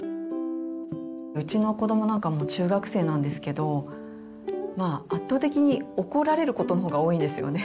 うちの子どもなんかもう中学生なんですけどまあ圧倒的に怒られることの方が多いんですよね。